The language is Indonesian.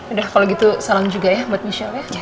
udah kalau gitu salam juga ya buat michelle ya